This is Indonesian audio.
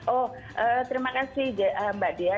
oh terima kasih mbak dea